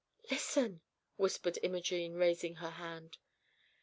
"Listen!" whispered Imogene, raising her hand.